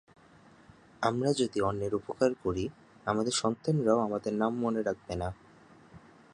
আমরা যদি অন্যের উপকার করি, আমাদের সন্তানরাও আমাদের নাম মনে রাখবে না।